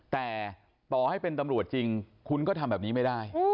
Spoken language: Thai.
แต่ต่อให้เป็นตำรวจจริงคุณก็ทำแบบนี้ไม่ได้